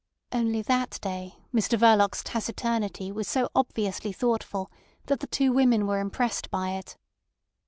Only that day Mr Verloc's taciturnity was so obviously thoughtful that the two women were impressed by it.